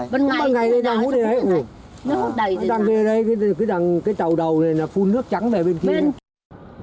bên ngày thì đang hút ở đây đang về đây cái tàu đầu này là phun nước trắng về bên kia